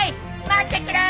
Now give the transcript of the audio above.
待ってくれ！